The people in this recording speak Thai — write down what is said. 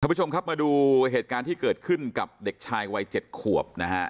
ผู้ชมครับมาดูเหตุการณ์ที่เกิดขึ้นกับเด็กชายวัย๗ขวบนะฮะ